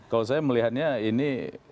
kalau saya melihatnya ini